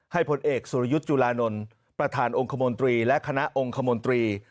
ผลเอกสุรยุทธ์จุลานนท์ประธานองค์คมนตรีและคณะองค์คมนตรี